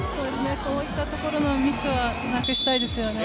こういったところのミスはなくしたいですよね。